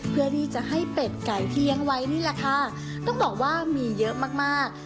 เพื่อที่จะให้เป็ดไก่ที่เลี้ยงไว้นี่แหละค่ะต้องบอกว่ามีเยอะมากมาก